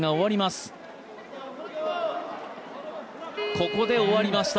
ここで、終わりました。